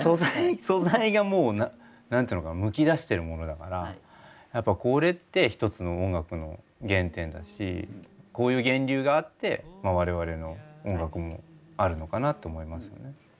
素材がもう何ていうのかなむき出してるものだからやっぱこれって一つの音楽の原点だしこういう源流があって我々の音楽もあるのかなと思いますよね。